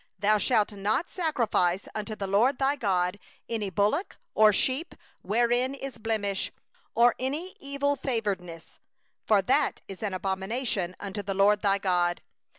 Thou shalt not sacrifice unto the LORD thy God an ox, or a sheep, wherein is a blemish, even any evil thing; for that is an abomination unto the LORD thy God.